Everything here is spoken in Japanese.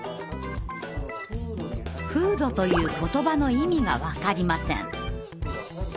「風土」という言葉の意味がわかりません。